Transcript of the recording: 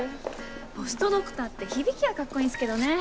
ポストドクターって響きはカッコいいんすけどね。